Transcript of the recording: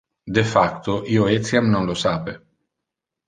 De facto, io etiam non lo sape.